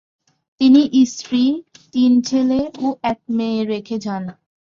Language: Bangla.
তিনি স্ত্রী, তিন ছেলে ও এক মেয়ে রেখে যান।